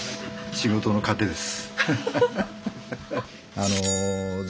仕事の糧です。